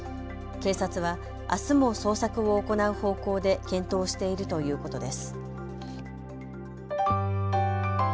警察はあすも捜索を行う方向で検討しているということです。